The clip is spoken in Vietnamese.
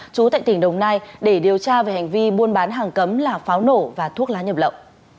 chú tại tỉnh đồng nai để điều tra về hành vi buôn bán hàng cấm là pháo nổ và thuốc lá nhập lậu